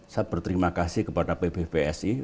saya berterima kasih kepada pbvsi